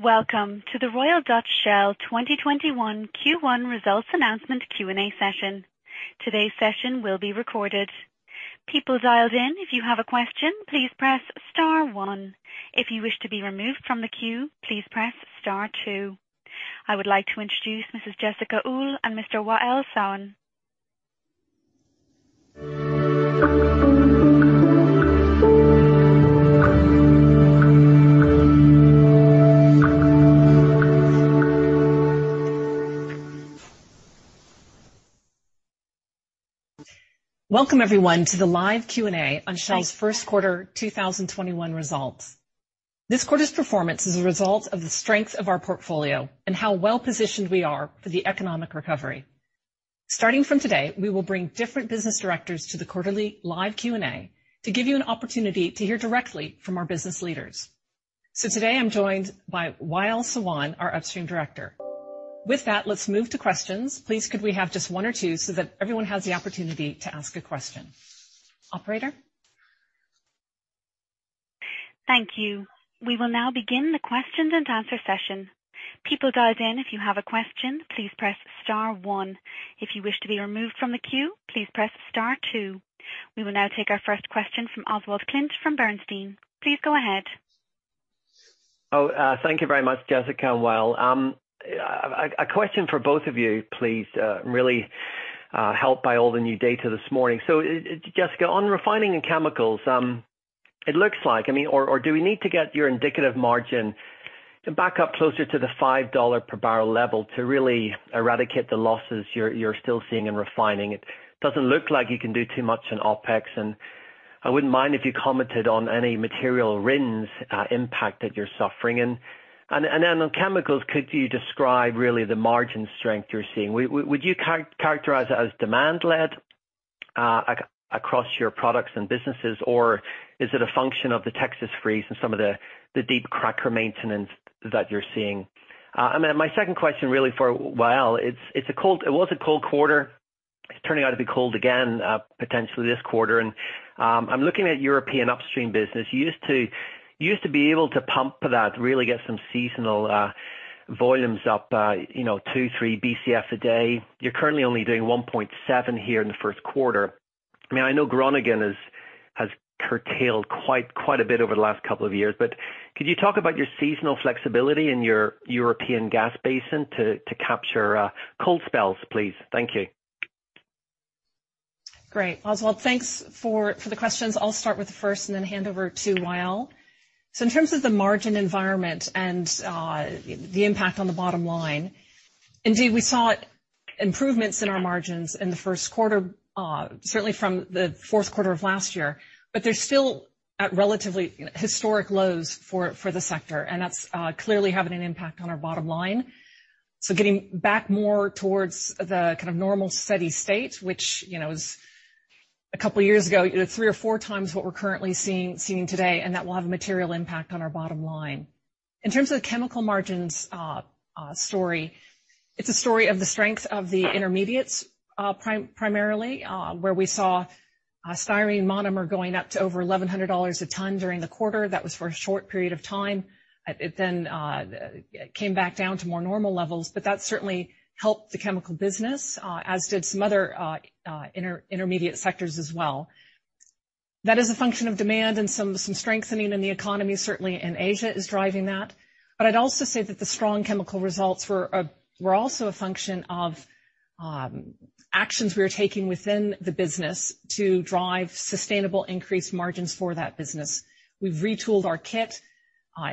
Welcome to the Royal Dutch Shell 2021 Q1 results announcement Q&A session. Today's session will be recorded. People dialed in, if you have a question, please press star one. If you wish to be removed from the queue, please press star two. I would like to introduce Mrs. Jessica Uhl and Mr. Wael Sawan. Welcome everyone to the live Q&A on Shell's Q1 2021 results. This quarter's performance is a result of the strength of our portfolio and how well-positioned we are for the economic recovery. Starting from today, we will bring different business directors to the quarterly live Q&A to give you an opportunity to hear directly from our business leaders. Today I'm joined by Wael Sawan, our Upstream Director. With that, let's move to questions. Please, could we have just one or two so that everyone has the opportunity to ask a question. Operator? Thank you. We will now begin the question and answer session. People dialed in, if you have a question, please press star one. If you wish to be removed from the queue, please press star two. We will now take our first question from Oswald Clint from Bernstein. Please go ahead. Thank you very much, Jessica and Wael. A question for both of you, please. Really helped by all the new data this morning. Jessica, on refining and chemicals, it looks like, or do we need to get your indicative margin back up closer to the $5 per barrel level to really eradicate the losses you're still seeing in refining? It doesn't look like you can do too much in OpEx, and I wouldn't mind if you commented on any material RINs impact that you're suffering. On chemicals, could you describe really the margin strength you're seeing? Would you characterize it as demand led across your products and businesses, or is it a function of the Texas freeze and some of the steam cracker maintenance that you're seeing? My second question really for Wael, it was a cold quarter. It's turning out to be cold again, potentially this quarter. I'm looking at European upstream business. You used to be able to pump that, really get some seasonal volumes up 2 Bcf/d, 3 Bcf/d. You're currently only doing 1.7 here in the first quarter. I know Groningen has curtailed quite a bit over the last couple of years. Could you talk about your seasonal flexibility in your European gas basin to capture cold spells, please? Thank you. Great. Oswald, thanks for the questions. I will start with the first and then hand over to Wael. In terms of the margin environment and the impact on the bottom line, indeed, we saw improvements in our margins in the first quarter, certainly from the fourth quarter of last year. They're still at relatively historic lows for the sector, and that's clearly having an impact on our bottom line. Getting back more towards the kind of normal steady state, which is a couple of years ago, three or four times what we're currently seeing today, and that will have a material impact on our bottom line. In terms of the chemical margins story, it's a story of the strength of the intermediates, primarily, where we saw styrene monomer going up to over $1,100 a ton during the quarter. That was for a short period of time. It then came back down to more normal levels, but that certainly helped the chemical business, as did some other intermediate sectors as well. That is a function of demand and some strengthening in the economy, certainly in Asia is driving that. I'd also say that the strong chemical results were also a function of actions we were taking within the business to drive sustainable increased margins for that business. We've retooled our kit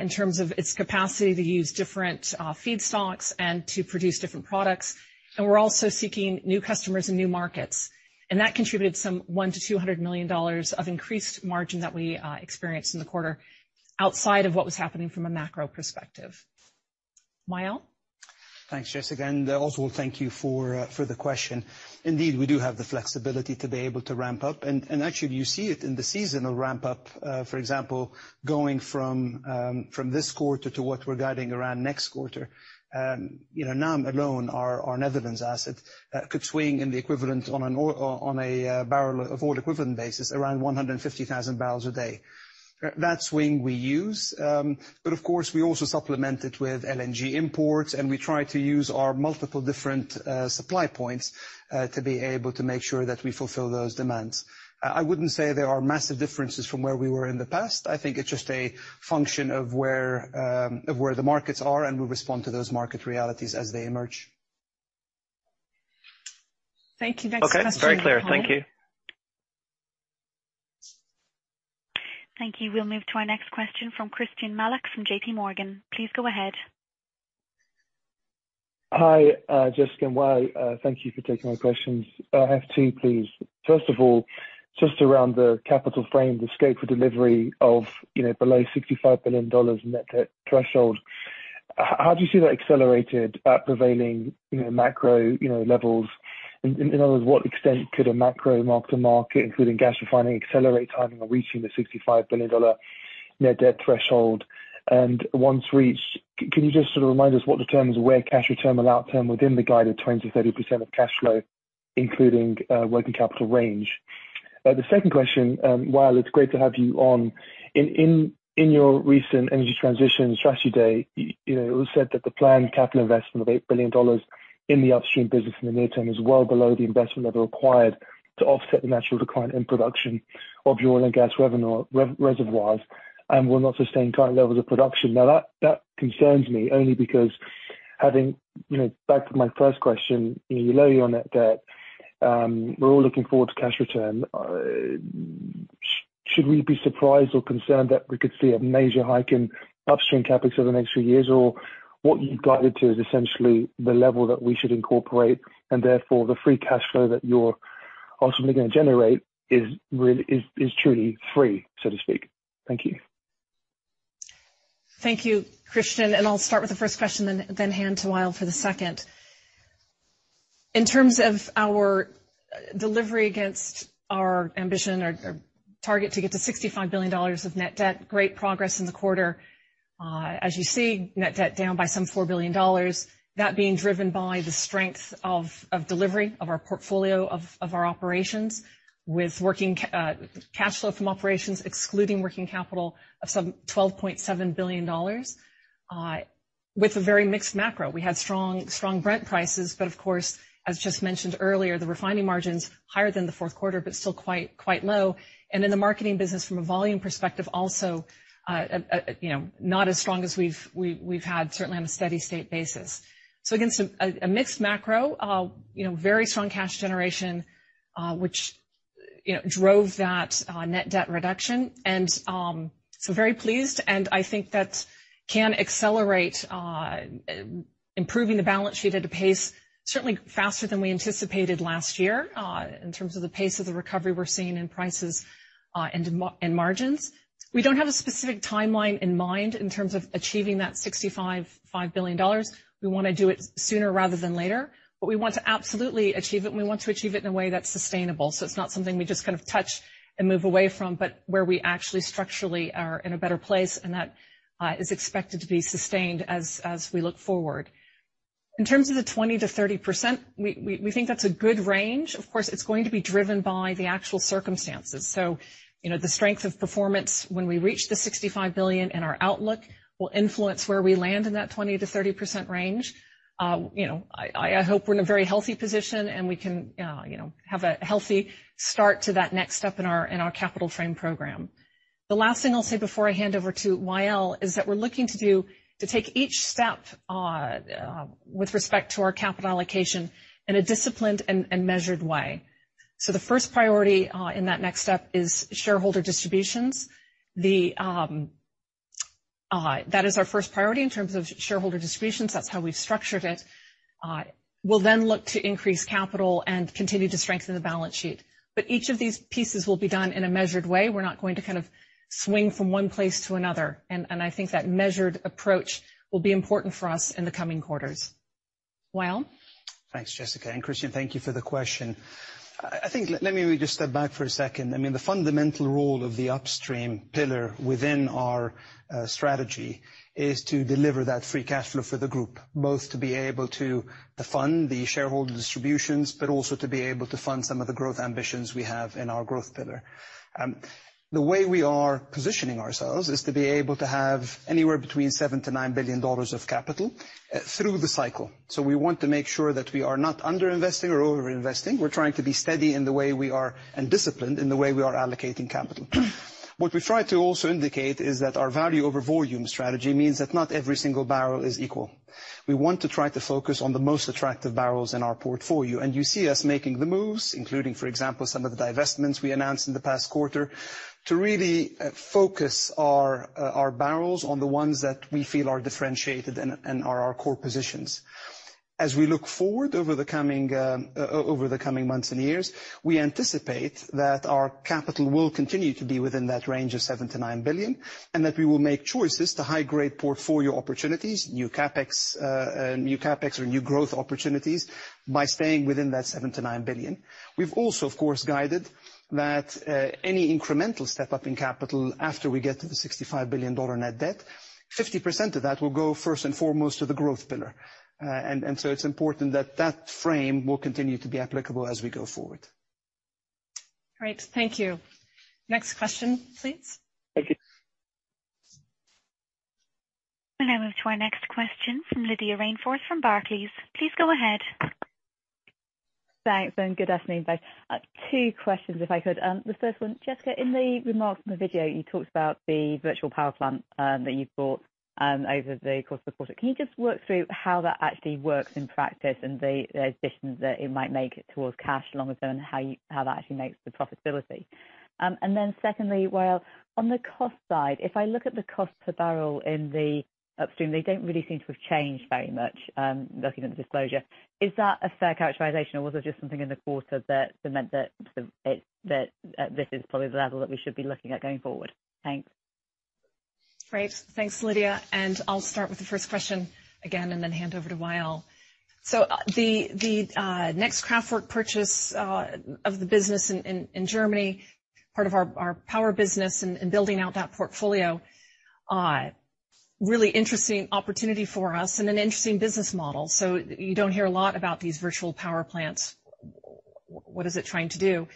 in terms of its capacity to use different feedstocks and to produce different products, and we're also seeking new customers and new markets. That contributed some $100 million-$200 million of increased margin that we experienced in the quarter outside of what was happening from a macro perspective. Wael? Thanks, Jessica. Also thank you for the question. Indeed, we do have the flexibility to be able to ramp up. Actually, you see it in the seasonal ramp up, for example, going from this quarter to what we're guiding around next quarter. NAM alone, our Netherlands asset, could swing in the equivalent on a barrel of oil equivalent basis around 150,000 barrels a day. That swing we use. Of course, we also supplement it with LNG imports. We try to use our multiple different supply points to be able to make sure that we fulfill those demands. I wouldn't say there are massive differences from where we were in the past. I think it's just a function of where the markets are. We respond to those market realities as they emerge. Thank you. Next question. Okay. Very clear. Thank you. Thank you. We'll move to our next question from Christyan Malek from JPMorgan. Please go ahead. Hi, Jessica and Wael. Thank you for taking my questions. I have two, please. First of all, just around the capital frame, the scope for delivery of below $65 billion net debt threshold. How do you see that accelerated at prevailing macro levels? In other words, what extent could a macro mark-to-market, including gas refining, accelerate timing of reaching the $65 billion net debt threshold? Once reached, can you just sort of remind us what determines where cash return will outturn within the guided 20%-30% of cash flow, including working capital range? The second question, Wael, it's great to have you on. In your recent energy transition strategy day, it was said that the planned capital investment of $8 billion in the upstream business in the near term is well below the investment level required to offset the natural decline in production of your oil and gas reservoirs, and will not sustain current levels of production. That concerns me only because having, back to my first question, you low your net debt. We're all looking forward to cash return. Should we be surprised or concerned that we could see a major hike in upstream CapEx over the next few years? What you've guided to is essentially the level that we should incorporate, and therefore the free cash flow that you're ultimately going to generate is truly free, so to speak. Thank you. Thank you, Christyan, I'll start with the first question, then hand to Wael for the second. In terms of our delivery against our ambition, our target to get to $65 billion of net debt, great progress in the quarter. As you see, net debt down by some $4 billion. That being driven by the strength of delivery of our portfolio, of our operations, with working cash flow from operations, excluding working capital of some $12.7 billion with a very mixed macro. We had strong Brent prices. Of course, as just mentioned earlier, the refining margins higher than the fourth quarter. Still quite low. The marketing business from a volume perspective also not as strong as we've had, certainly on a steady state basis. Again, a mixed macro. Very strong cash generation, which drove that net debt reduction. Very pleased, and I think that can accelerate improving the balance sheet at a pace, certainly faster than we anticipated last year. In terms of the pace of the recovery we're seeing in prices and margins. We don't have a specific timeline in mind in terms of achieving that $65 billion. We want to do it sooner rather than later, but we want to absolutely achieve it, and we want to achieve it in a way that's sustainable. It's not something we just kind of touch and move away from, but where we actually structurally are in a better place, and that is expected to be sustained as we look forward. In terms of the 20%-30%, we think that's a good range. Of course, it's going to be driven by the actual circumstances. The strength of performance when we reach the $65 billion in our outlook will influence where we land in that 20%-30% range. I hope we're in a very healthy position and we can have a healthy start to that next step in our capital frame program. The last thing I'll say before I hand over to Wael is that we're looking to take each step with respect to our capital allocation in a disciplined and measured way. The first priority in that next step is shareholder distributions. That is our first priority in terms of shareholder distributions. That's how we've structured it. We'll then look to increase capital and continue to strengthen the balance sheet. Each of these pieces will be done in a measured way. We're not going to kind of swing from one place to another. I think that measured approach will be important for us in the coming quarters. Wael? Thanks, Jessica, and Christyan, thank you for the question. I think, let me just step back for a second. The fundamental role of the upstream pillar within our strategy is to deliver that free cash flow for the group, both to be able to fund the shareholder distributions, but also to be able to fund some of the growth ambitions we have in our growth pillar. The way we are positioning ourselves is to be able to have anywhere between $7 billion-$9 billion of capital through the cycle. We want to make sure that we are not under-investing or over-investing. We're trying to be steady in the way we are, and disciplined in the way we are allocating capital. What we try to also indicate is that our value over volume strategy means that not every single barrel is equal. We want to try to focus on the most attractive barrels in our portfolio, and you see us making the moves, including, for example, some of the divestments we announced in the past quarter to really focus our barrels on the ones that we feel are differentiated and are our core positions. As we look forward over the coming months and years, we anticipate that our capital will continue to be within that range of $7 billion-$9 billion, and that we will make choices to high-grade portfolio opportunities, new CapEx, or new growth opportunities by staying within that $7 billion-$9 billion. We've also, of course, guided that any incremental step up in capital after we get to the $65 billion net debt, 50% of that will go first and foremost to the growth pillar. It's important that that frame will continue to be applicable as we go forward. Great. Thank you. Next question, please. Thank you. We now move to our next question from Lydia Rainforth from Barclays. Please go ahead. Thanks, good afternoon, both. Two questions, if I could. The first one, Jessica, in the remarks from the video, you talked about the virtual power plant that you've bought over the course of the quarter. Can you just work through how that actually works in practice and the additions that it might make towards cash longer term, and how that actually makes the profitability? Secondly, Wael, on the cost side, if I look at the cost per barrel in the upstream, they don't really seem to have changed very much, looking at the disclosure. Is that a fair characterization or was it just something in the quarter that meant that this is probably the level that we should be looking at going forward? Thanks. Great. Thanks, Lydia. I'll start with the first question again, and then hand over to Wael. The Next Kraftwerke purchase of the business in Germany, part of our power business and building out that portfolio. Really interesting opportunity for us and an interesting business model. You don't hear a lot about these virtual power plants. What is it trying to do?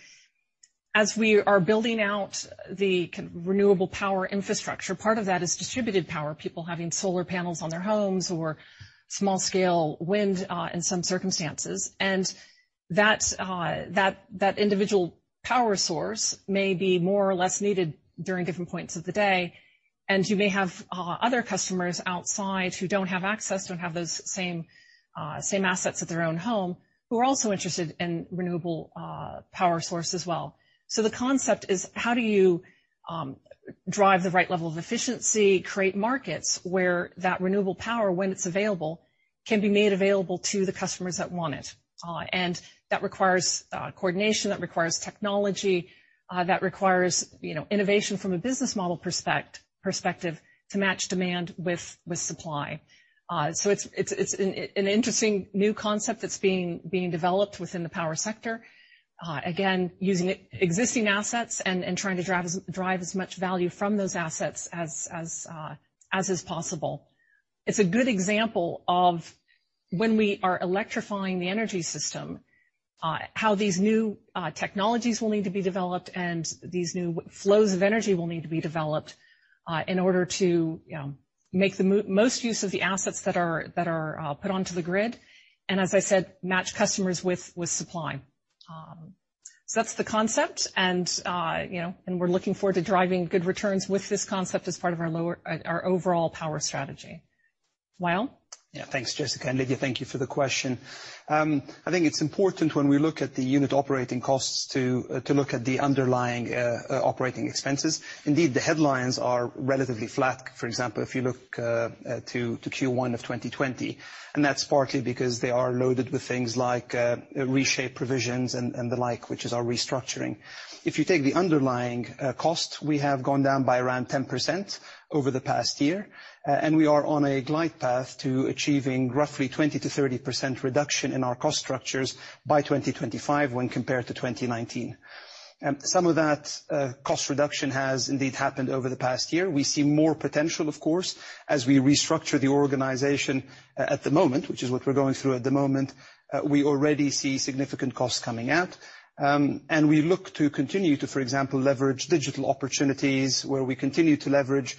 As we are building out the renewable power infrastructure, part of that is distributed power, people having solar panels on their homes or small scale wind, in some circumstances. That individual power source may be more or less needed during different points of the day, and you may have other customers outside who don't have access, don't have those same assets at their own home, who are also interested in renewable power source as well. The concept is how do you drive the right level of efficiency, create markets where that renewable power, when it's available, can be made available to the customers that want it? That requires coordination. That requires technology. That requires innovation from a business model perspective to match demand with supply. It's an interesting new concept that's being developed within the power sector. Again, using existing assets and trying to drive as much value from those assets as is possible. It's a good example of when we are electrifying the energy system, how these new technologies will need to be developed, and these new flows of energy will need to be developed, in order to make the most use of the assets that are put onto the grid. As I said, match customers with supply. That's the concept, and we're looking forward to driving good returns with this concept as part of our overall power strategy. Wael? Yeah, thanks, Jessica. Lydia, thank you for the question. I think it's important when we look at the unit operating costs to look at the underlying operating expenses. Indeed, the headlines are relatively flat. For example, if you look to Q1 of 2020, that's partly because they are loaded with things like Reshape provisions and the like, which is our restructuring. If you take the underlying cost, we have gone down by around 10% over the past year, we are on a glide path to achieving roughly 20%-30% reduction in our cost structures by 2025 when compared to 2019. Some of that cost reduction has indeed happened over the past year. We see more potential, of course, as we restructure the organization at the moment, which is what we're going through at the moment. We already see significant costs coming out. We look to continue to, for example, leverage digital opportunities where we continue to leverage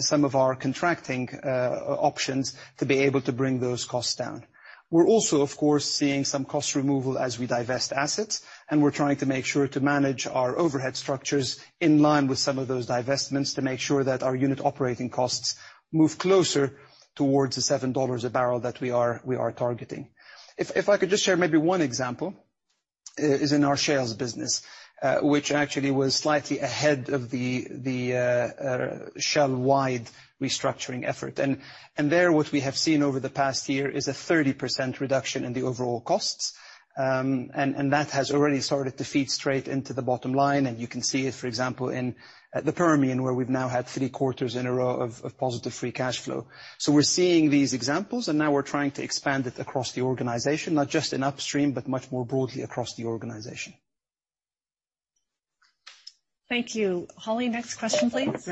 some of our contracting options to be able to bring those costs down. We're also, of course, seeing some cost removal as we divest assets, and we're trying to make sure to manage our overhead structures in line with some of those divestments to make sure that our unit operating costs move closer towards the $7 a barrel that we are targeting. If I could just share maybe one example is in our shales business, which actually was slightly ahead of the Shell-wide restructuring effort. There, what we have seen over the past year is a 30% reduction in the overall costs. That has already started to feed straight into the bottom line. You can see it, for example, in the Permian where we've now had three quarters in a row of positive free cash flow. We're seeing these examples, and now we're trying to expand it across the organization, not just in upstream, but much more broadly across the organization. Thank you. Holly, next question, please.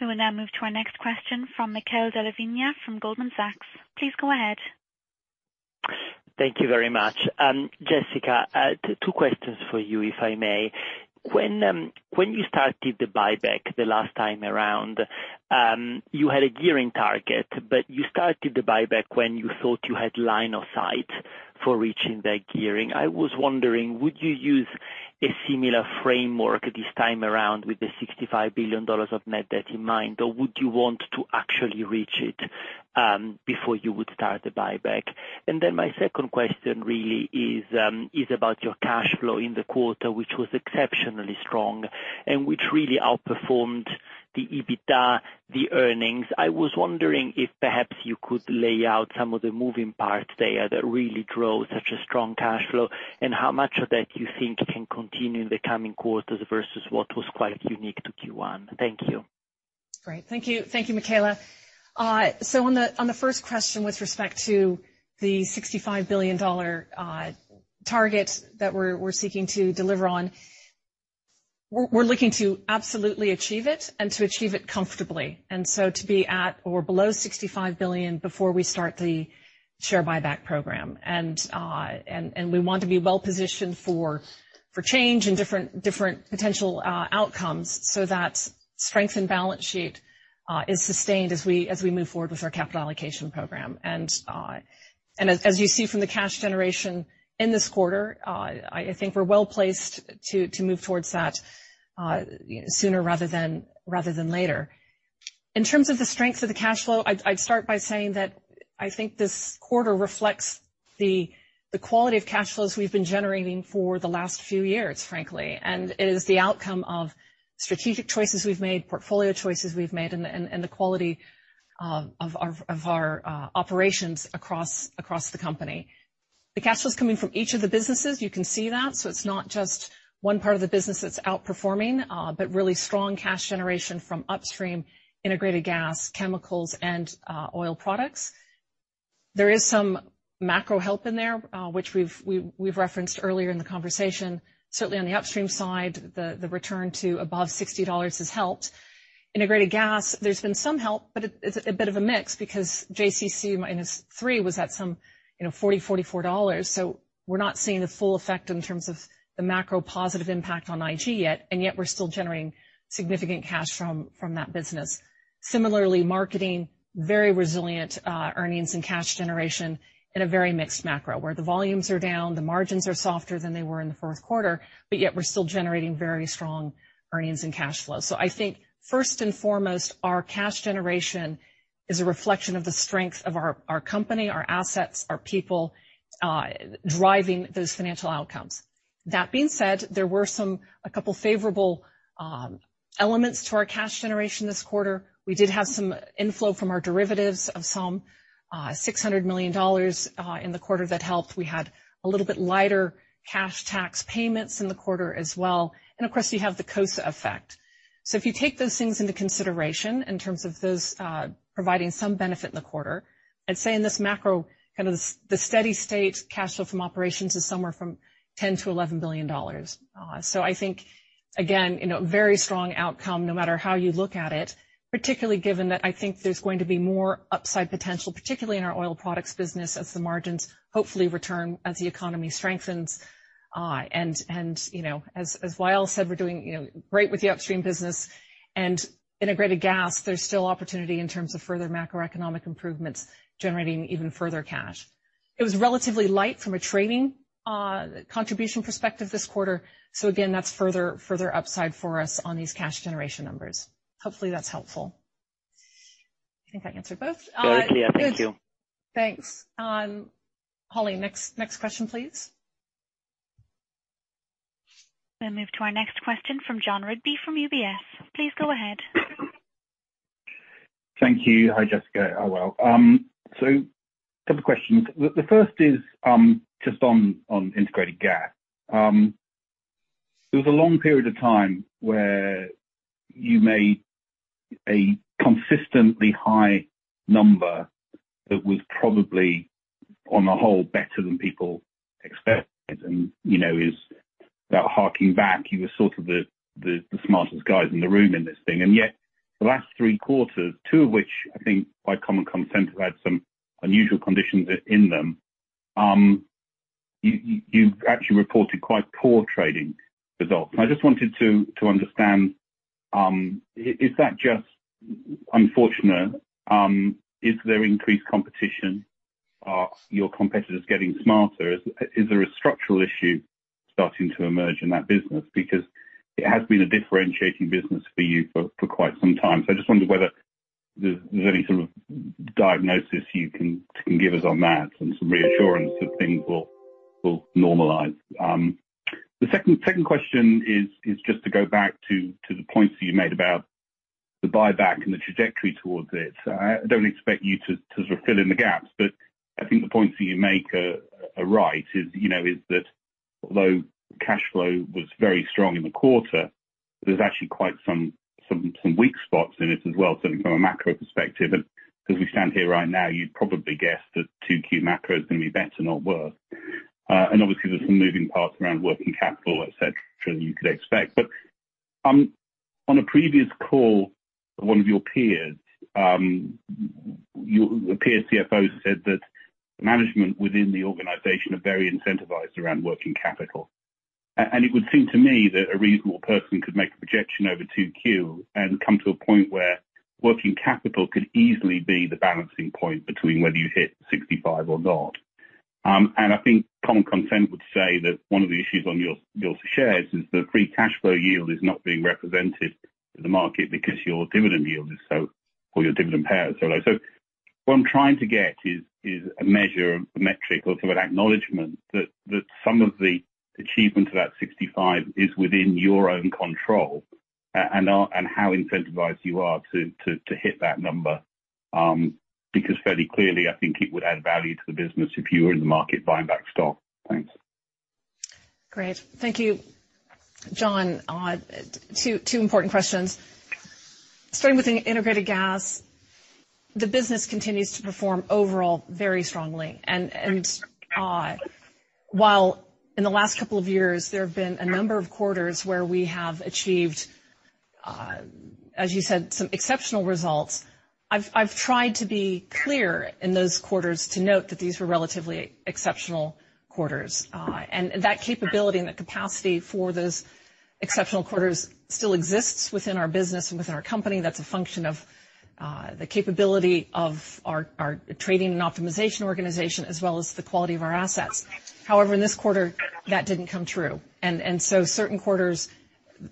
We will now move to our next question from Michele Della Vigna from Goldman Sachs. Please go ahead. Thank you very much. Jessica, two questions for you, if I may. When you started the buyback the last time around, you had a gearing target. You started the buyback when you thought you had line of sight for reaching that gearing. I was wondering, would you use a similar framework this time around with the $65 billion of net debt in mind, or would you want to actually reach it before you would start the buyback? My second question really is about your cash flow in the quarter, which was exceptionally strong and which really outperformed the EBITDA, the earnings. I was wondering if perhaps you could lay out some of the moving parts there that really drove such a strong cash flow, and how much of that you think can continue in the coming quarters versus what was quite unique to Q1. Thank you. Great. Thank you, Michele. On the first question, with respect to the $65 billion target that we're seeking to deliver on, we're looking to absolutely achieve it and to achieve it comfortably. To be at or below $65 billion before we start the share buyback program. We want to be well-positioned for change and different potential outcomes so that strengthened balance sheet is sustained as we move forward with our capital allocation program. As you see from the cash generation in this quarter, I think we're well-placed to move towards that sooner rather than later. In terms of the strength of the cash flow, I'd start by saying that I think this quarter reflects the quality of cash flows we've been generating for the last few years, frankly. It is the outcome of strategic choices we've made, portfolio choices we've made, and the quality of our operations across the company. The cash flow's coming from each of the businesses, you can see that. It's not just one part of the business that's outperforming, but really strong cash generation from upstream, integrated gas, chemicals, and oil products. There is some macro help in there, which we've referenced earlier in the conversation. Certainly, on the upstream side, the return to above $60 has helped. Integrated Gas, there's been some help, but it's a bit of a mix because JCC minus 3 was at some $40, $44. We're not seeing the full effect in terms of the macro positive impact on IG yet, and yet we're still generating significant cash from that business. Marketing, very resilient earnings and cash generation in a very mixed macro, where the volumes are down, the margins are softer than they were in the fourth quarter, but yet we're still generating very strong earnings and cash flow. I think first and foremost, our cash generation is a reflection of the strength of our company, our assets, our people, driving those financial outcomes. That being said, there were a couple of favorable elements to our cash generation this quarter. We did have some inflow from our derivatives of some $600 million in the quarter. That helped. We had a little bit lighter cash tax payments in the quarter as well. Of course, we have the COSA effect. If you take those things into consideration in terms of those providing some benefit in the quarter, I'd say in this macro, the steady state cash flow from operations is somewhere from $10 billion-$11 billion. I think, again, very strong outcome, no matter how you look at it, particularly given that I think there's going to be more upside potential, particularly in our oil products business, as the margins hopefully return, as the economy strengthens. As Wael said, we're doing great with the upstream business. Integrated gas, there's still opportunity in terms of further macroeconomic improvements, generating even further cash. It was relatively light from a trading contribution perspective this quarter. Again, that's further upside for us on these cash generation numbers. Hopefully, that's helpful. I think I answered both. Clearly, yeah. Thank you. Thanks. Holly, next question, please. We move to our next question from Jon Rigby from UBS. Please go ahead. Thank you. Hi, Jessica. Hi, Wael. Couple questions. The first is just on integrated gas. There was a long period of time where you made a consistently high number that was probably, on the whole, better than people expected, and is about harking back. You were sort of the smartest guys in the room in this thing, and yet the last three quarters, two of which I think by common consent have had some unusual conditions in them. You've actually reported quite poor trading results. I just wanted to understand, is that just unfortunate? Is there increased competition? Are your competitors getting smarter? Is there a structural issue starting to emerge in that business? Because it has been a differentiating business for you for quite some time. I just wonder whether there's any sort of diagnosis you can give us on that and some reassurance that things will normalize. The second question is just to go back to the points that you made about the buyback and the trajectory towards it. I don't expect you to sort of fill in the gaps, but I think the points that you make are right, is that although cash flow was very strong in the quarter, there's actually quite some weak spots in it as well, certainly from a macro perspective. As we stand here right now, you'd probably guess that 2Q macro is going to be better, not worse. Obviously, there's some moving parts around working capital, et cetera, that you could expect. On a previous call, one of your peers, a peer CFO, said that management within the organization are very incentivized around working capital. It would seem to me that a reasonable person could make a projection over 2Q and come to a point where working capital could easily be the balancing point between whether you hit 65 or not. I think common consent would say that one of the issues on your shares is the free cash flow yield is not being represented to the market because your dividend yield or your dividend payout is so low. What I'm trying to get is a measure, a metric or sort of an acknowledgment that some of the achievement of that 65 is within your own control, and how incentivized you are to hit that number. Fairly clearly, I think it would add value to the business if you were in the market buying back stock. Thanks. Great. Thank you, Jon. Two important questions. Starting with Integrated Gas, the business continues to perform overall very strongly. While in the last couple of years, there have been a number of quarters where we have achieved, as you said, some exceptional results. I've tried to be clear in those quarters to note that these were relatively exceptional quarters. That capability and that capacity for those exceptional quarters still exists within our business and within our company. That's a function of the capability of our trading and optimization organization, as well as the quality of our assets. However, in this quarter, that didn't come true. Certain quarters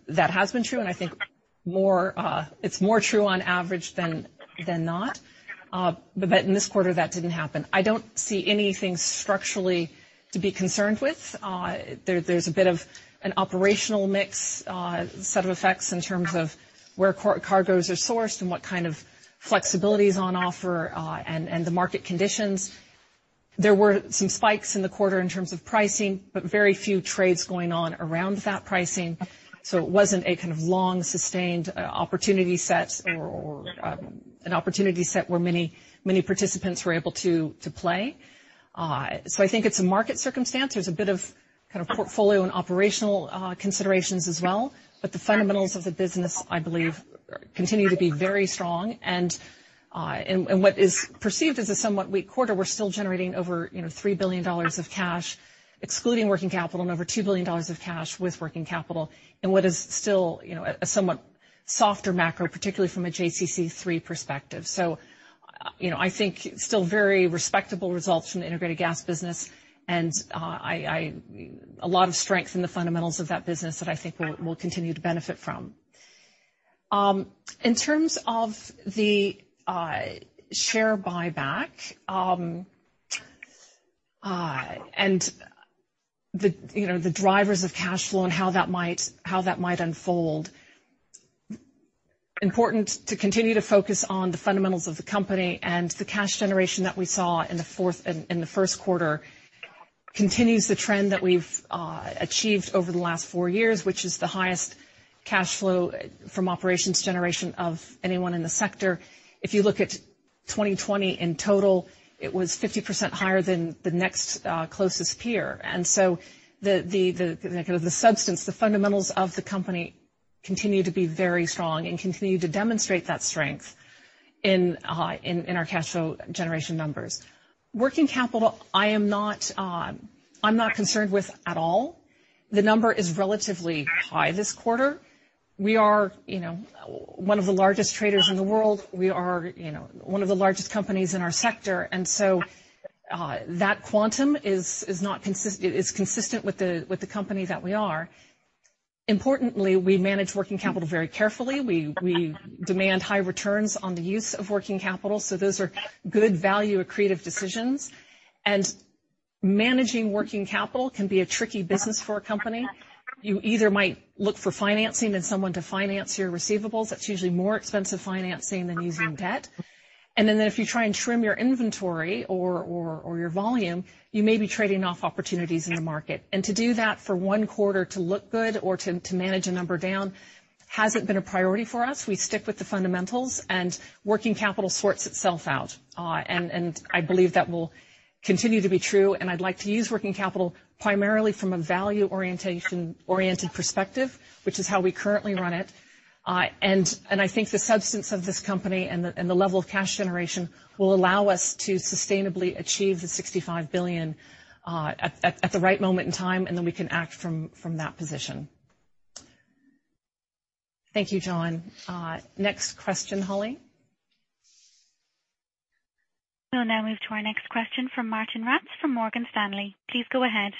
that has been true, and I think it's more true on average than not. In this quarter, that didn't happen. I don't see anything structurally to be concerned with. There's a bit of an operational mix set of effects in terms of where cargoes are sourced and what kind of flexibility is on offer and the market conditions. There were some spikes in the quarter in terms of pricing, but very few trades going on around that pricing. It wasn't a kind of long, sustained opportunity set or an opportunity set where many participants were able to play. I think it's a market circumstance. There's a bit of portfolio and operational considerations as well. The fundamentals of the business, I believe, continue to be very strong. What is perceived as a somewhat weak quarter, we're still generating over $3 billion of cash, excluding working capital, and over $2 billion of cash with working capital in what is still a somewhat softer macro, particularly from a JCC3 perspective. I think still very respectable results from the integrated gas business, and a lot of strength in the fundamentals of that business that I think we'll continue to benefit from. Important to continue to focus on the fundamentals of the company and the cash generation that we saw in the first quarter continues the trend that we've achieved over the last four years, which is the highest cash flow from operations generation of anyone in the sector. If you look at 2020 in total, it was 50% higher than the next closest peer. The substance, the fundamentals of the company continue to be very strong and continue to demonstrate that strength in our cash flow generation numbers. Working capital, I'm not concerned with at all. The number is relatively high this quarter. We are one of the largest traders in the world. We are one of the largest companies in our sector. That quantum is consistent with the company that we are. Importantly, we manage working capital very carefully. We demand high returns on the use of working capital, so those are good value accretive decisions. Managing working capital can be a tricky business for a company. You either might look for financing and someone to finance your receivables. That's usually more expensive financing than using debt. If you try and trim your inventory or your volume, you may be trading off opportunities in the market. To do that for one quarter to look good or to manage a number down hasn't been a priority for us. We stick with the fundamentals and working capital sorts itself out. I believe that will continue to be true, and I'd like to use working capital primarily from a value-oriented perspective, which is how we currently run it. I think the substance of this company and the level of cash generation will allow us to sustainably achieve the $65 billion at the right moment in time, and then we can act from that position. Thank you, Jon. Next question, Holly. We'll now move to our next question from Martijn Rats from Morgan Stanley. Please go ahead.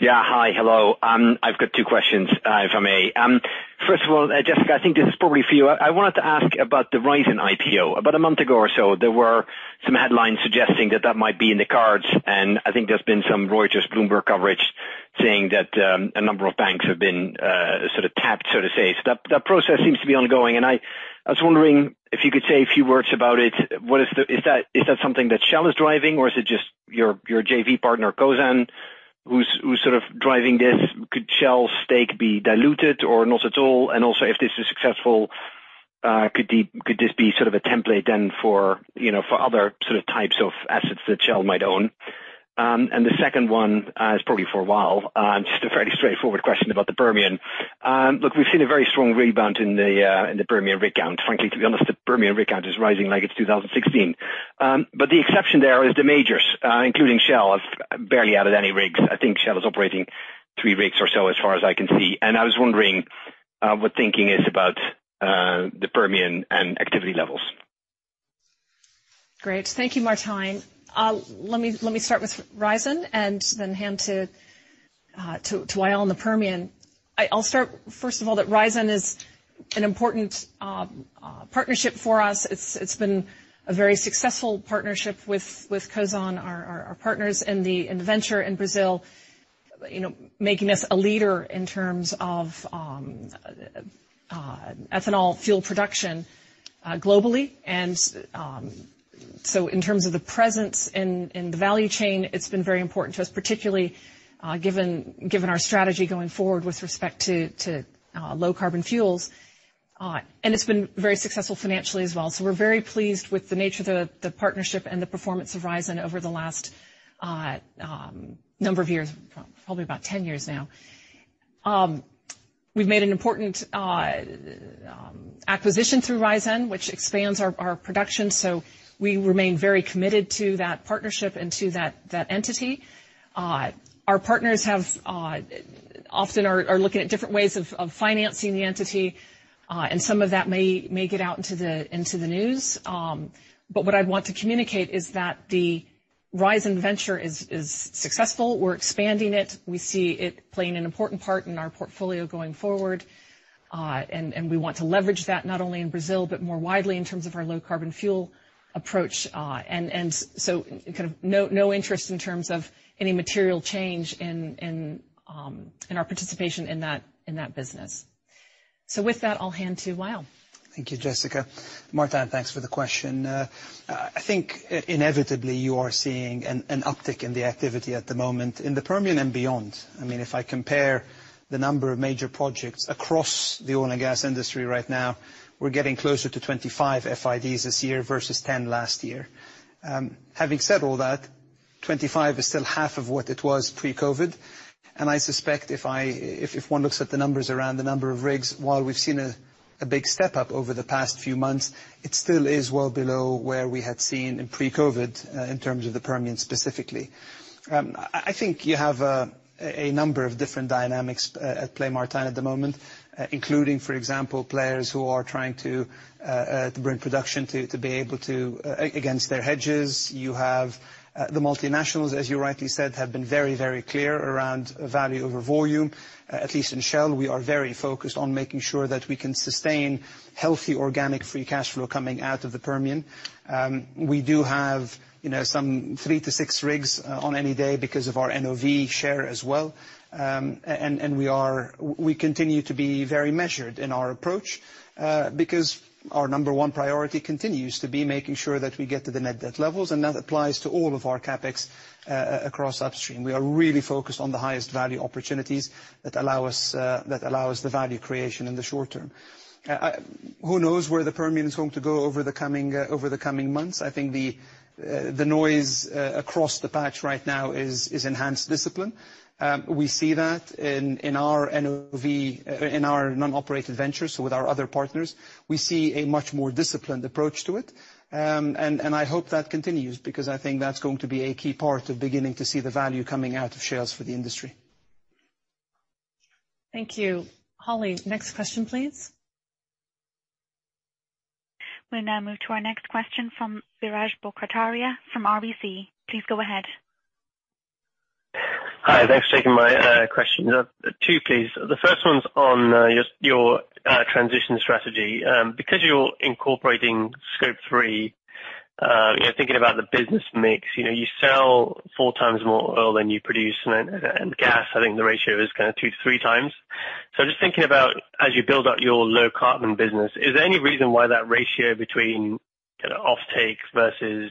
Yeah. Hi. Hello. I've got two questions, if I may. Jessica, I think this is probably for you. I wanted to ask about the Raízen IPO. About a month ago or so, there were some headlines suggesting that that might be in the cards, and I think there's been some Reuters, Bloomberg coverage saying that a number of banks have been sort of tapped, so to say. That process seems to be ongoing, and I was wondering if you could say a few words about it. Is that something that Shell is driving, or is it just your JV partner, Cosan, who's sort of driving this? Could Shell stake be diluted or not at all? Also, if this is successful, could this be sort of a template then for other sort of types of assets that Shell might own? The second one is probably for Wael, just a fairly straightforward question about the Permian. Look, we've seen a very strong rebound in the Permian rig count. Frankly, to be honest, the Permian rig count is rising like it's 2016. The exception there is the majors, including Shell, have barely added any rigs. I think Shell is operating three rigs or so, as far as I can see. I was wondering what thinking is about the Permian and activity levels. Great. Thank you, Martijn. Let me start with Raízen and then hand to Wael on the Permian. I'll start, first of all, that Raízen is an important partnership for us. It's been a very successful partnership with Cosan, our partners in the venture in Brazil, making us a leader in terms of ethanol fuel production globally. In terms of the presence in the value chain, it's been very important to us, particularly given our strategy going forward with respect to low carbon fuels. It's been very successful financially as well. We're very pleased with the nature of the partnership and the performance of Raízen over the last number of years, probably about 10 years now. We've made an important acquisition through Raízen, which expands our production. We remain very committed to that partnership and to that entity. Our partners often are looking at different ways of financing the entity, and some of that may make it out into the news. What I'd want to communicate is that the Raízen venture is successful. We're expanding it. We see it playing an important part in our portfolio going forward. We want to leverage that not only in Brazil, but more widely in terms of our low carbon fuel approach. No interest in terms of any material change in our participation in that business. With that, I'll hand to Wael. Thank you, Jessica. Martijn, thanks for the question. I think inevitably you are seeing an uptick in the activity at the moment in the Permian and beyond. If I compare the number of major projects across the oil and gas industry right now, we're getting closer to 25 FIDs this year versus 10 last year. Having said all that, 25 is still half of what it was pre-COVID, and I suspect if one looks at the numbers around the number of rigs, while we've seen a big step up over the past few months, it still is well below where we had seen in pre-COVID, in terms of the Permian specifically. I think you have a number of different dynamics at play, Martijn, at the moment, including, for example, players who are trying to bring production to be able to against their hedges. You have the multinationals, as you rightly said, have been very, very clear around value over volume. At least in Shell, we are very focused on making sure that we can sustain healthy organic free cash flow coming out of the Permian. We do have some 3-6 rigs on any day because of our NOV share as well. We continue to be very measured in our approach, because our number one priority continues to be making sure that we get to the net debt levels, and that applies to all of our CapEx across Upstream. We are really focused on the highest value opportunities that allow us the value creation in the short term. Who knows where the Permian is going to go over the coming months. I think the noise across the patch right now is enhanced discipline. We see that in our NOV, in our non-operated ventures, so with our other partners. We see a much more disciplined approach to it. I hope that continues because I think that's going to be a key part of beginning to see the value coming out of shales for the industry. Thank you. Holly, next question, please. We'll now move to our next question from Biraj Borkhataria from RBC. Please go ahead. Hi. Thanks for taking my question. Two, please. The first one's on your transition strategy. Because you're incorporating Scope 3, thinking about the business mix, you sell four times more oil than you produce in gas. I think the ratio is two-three times. Just thinking about as you build out your low-carbon business, is there any reason why that ratio between offtakes versus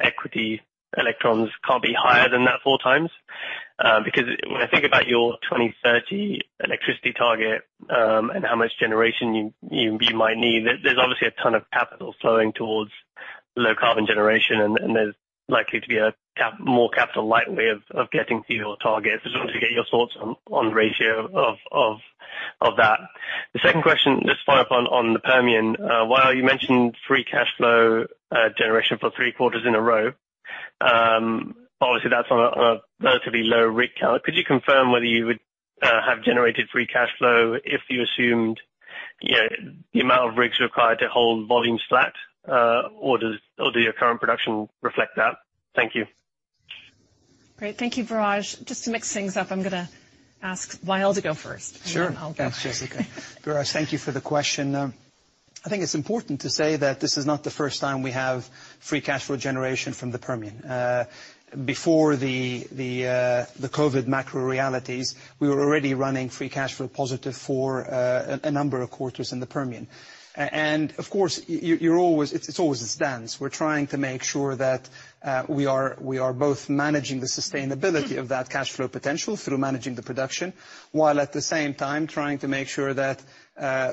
equity electrons can't be higher than that four times? Because when I think about your 2030 electricity target, and how much generation you might need, there's obviously a ton of capital flowing towards low-carbon generation, and there's likely to be a more capital light way of getting to your targets. I just wanted to get your thoughts on ratio of that. The second question, just to follow up on the Permian. Wael, you mentioned free cash flow generation for three quarters in a row. Obviously, that's on a relatively low rig count. Could you confirm whether you would have generated free cash flow if you assumed the amount of rigs required to hold volume flat or do your current production reflect that? Thank you. Great. Thank you, Biraj. Just to mix things up, I'm going to ask Wael to go first. Sure. Thanks, Jessica. Biraj, thank you for the question. I think it's important to say that this is not the first time we have free cash flow generation from the Permian. Before the COVID macro realities, we were already running free cash flow positive for a number of quarters in the Permian. Of course, it's always a stance. We're trying to make sure that we are both managing the sustainability of that cash flow potential through managing the production, while at the same time trying to make sure that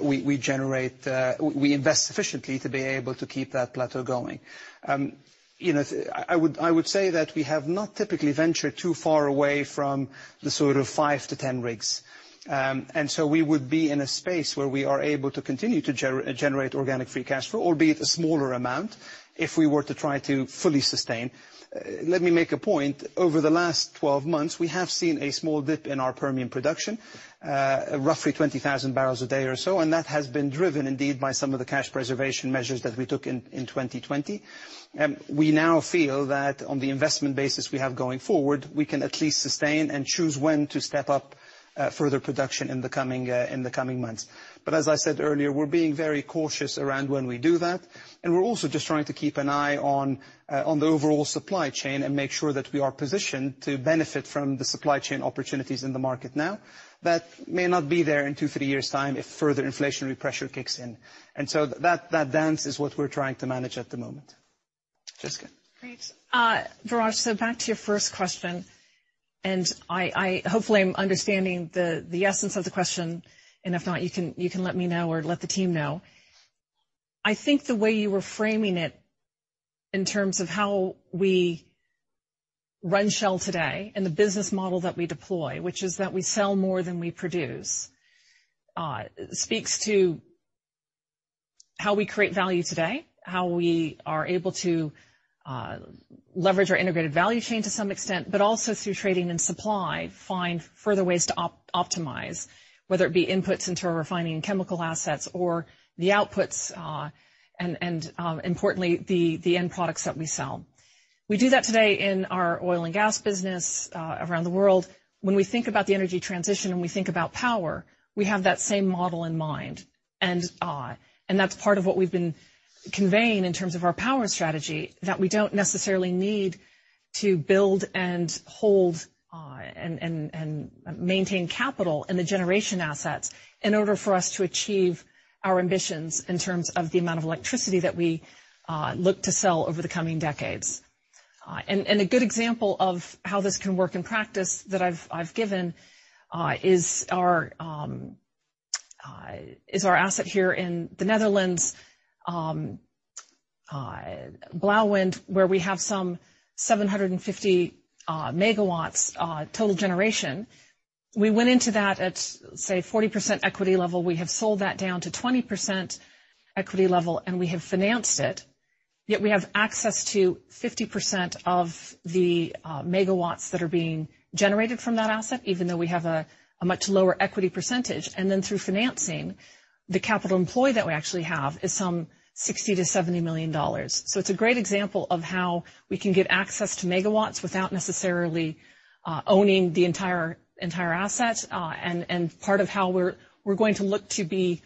we invest sufficiently to be able to keep that plateau going. I would say that we have not typically ventured too far away from the 5-10 rigs. We would be in a space where we are able to continue to generate organic free cash flow, albeit a smaller amount, if we were to try to fully sustain. Let me make a point. Over the last 12 months, we have seen a small dip in our Permian production, roughly 20,000 barrels a day or so, and that has been driven indeed by some of the cash preservation measures that we took in 2020. We now feel that on the investment basis we have going forward, we can at least sustain and choose when to step up further production in the coming months. As I said earlier, we're being very cautious around when we do that, and we're also just trying to keep an eye on the overall supply chain and make sure that we are positioned to benefit from the supply chain opportunities in the market now that may not be there in two, three years' time if further inflationary pressure kicks in. That dance is what we're trying to manage at the moment. Jessica. Great. Biraj, back to your first question, and hopefully, I'm understanding the essence of the question, and if not, you can let me know or let the team know. I think the way you were framing it in terms of how we run Shell today and the business model that we deploy, which is that we sell more than we produce, speaks to how we create value today, how we are able to leverage our integrated value chain to some extent, but also through trading and supply, find further ways to optimize, whether it be inputs into our refining and chemical assets or the outputs, and importantly, the end products that we sell. We do that today in our oil and gas business around the world. When we think about the energy transition and we think about power, we have that same model in mind. That's part of what we've been conveying in terms of our power strategy, that we don't necessarily need to build and hold and maintain capital in the generation assets in order for us to achieve our ambitions in terms of the amount of electricity that we look to sell over the coming decades. A good example of how this can work in practice that I've given is our asset here in the Netherlands, Blauwwind, where we have some 750 MW total generation. We went into that at, say, 40% equity level. We have sold that down to 20% equity level, and we have financed it. Yet we have access to 50% of the megawatts that are being generated from that asset, even though we have a much lower equity percentage. Then through financing, the capital employed that we actually have is some $60 million-$70 million. It's a great example of how we can get access to megawatts without necessarily owning the entire asset and part of how we're going to look to be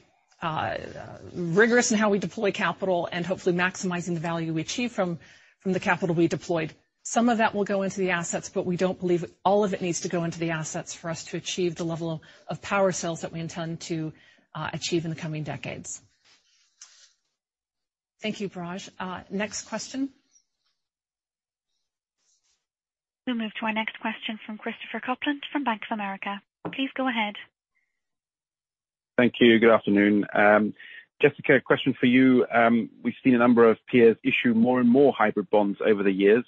rigorous in how we deploy capital and hopefully maximizing the value we achieve from the capital we deployed. Some of that will go into the assets. We don't believe all of it needs to go into the assets for us to achieve the level of power sales that we intend to achieve in the coming decades. Thank you, Biraj. Next question. We'll move to our next question from Christopher Kuplent from Bank of America. Please go ahead. Thank you. Good afternoon. Jessica, a question for you. We've seen a number of peers issue more and more hybrid bonds over the years.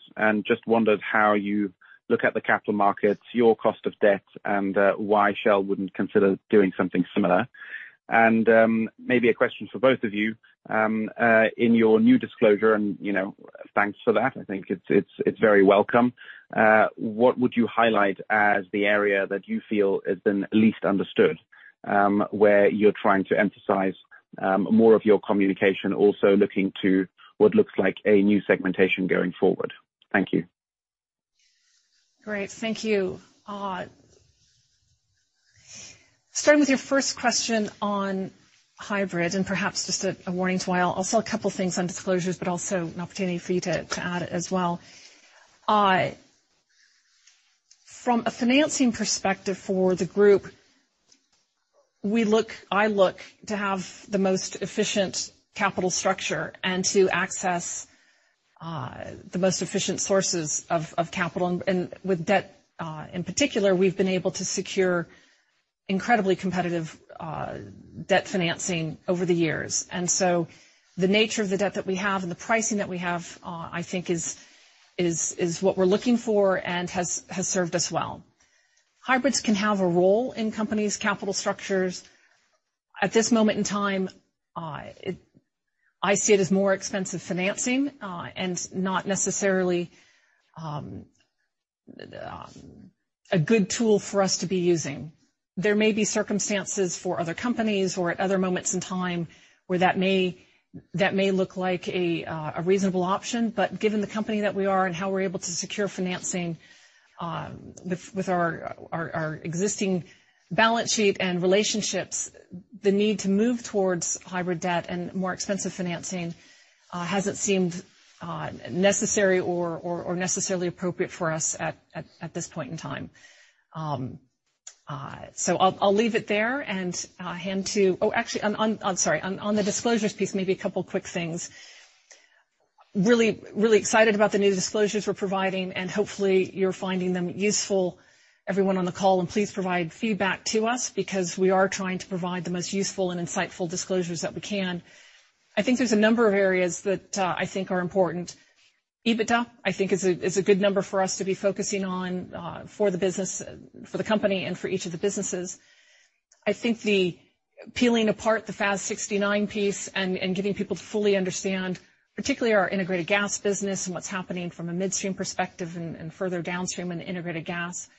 Just wondered how you look at the capital markets, your cost of debt, and why Shell wouldn't consider doing something similar? Maybe a question for both of you. In your new disclosure, and thanks for that, I think it's very welcome. What would you highlight as the area that you feel has been least understood, where you're trying to emphasize more of your communication, also looking to what looks like a new segmentation going forward? Thank you. Great. Thank you. Starting with your first question on hybrid, and perhaps just a warning to Wael. I'll say a couple things on disclosures, but also an opportunity for you to add as well. From a financing perspective for the group, I look to have the most efficient capital structure and to access the most efficient sources of capital. With debt, in particular, we've been able to secure incredibly competitive debt financing over the years. The nature of the debt that we have and the pricing that we have, I think is what we're looking for and has served us well. Hybrids can have a role in companies' capital structures. At this moment in time, I see it as more expensive financing and not necessarily a good tool for us to be using. There may be circumstances for other companies or at other moments in time where that may look like a reasonable option, but given the company that we are and how we're able to secure financing with our existing balance sheet and relationships, the need to move towards hybrid debt and more expensive financing hasn't seemed necessary or necessarily appropriate for us at this point in time. I'll leave it there. Oh, actually, I'm sorry. On the disclosures piece, maybe a couple quick things. Really excited about the new disclosures we're providing, and hopefully, you're finding them useful, everyone on the call. Please provide feedback to us because we are trying to provide the most useful and insightful disclosures that we can. I think there's a number of areas that I think are important. EBITDA, I think is a good number for us to be focusing on for the company and for each of the businesses. I think the peeling apart the FAS 69 piece and getting people to fully understand, particularly our integrated gas business and what's happening from a midstream perspective and further downstream in integrated gas.